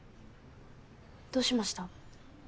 どうしました？